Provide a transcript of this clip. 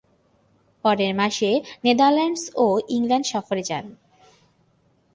পরের মাসে নেদারল্যান্ডস ও ইংল্যান্ড সফরে যান।